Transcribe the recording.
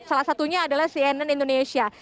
salah satunya adalah cnn indonesia